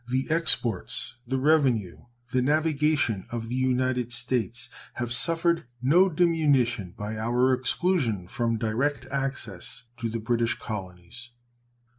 The exports, the revenue, the navigation of the United States have suffered no diminution by our exclusion from direct access to the British colonies.